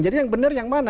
jadi yang benar yang mana